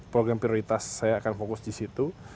program prioritas saya akan fokus di situ